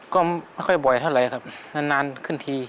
ก็ไม่ค่อยบ่อยเท่าไหร่ครับนานขึ้นที